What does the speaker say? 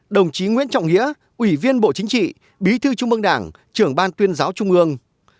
đồng chí nguyễn trọng nghĩa ủy viên bộ chính trị bí thư trung ương đảng trưởng ban tuyên giáo trung ương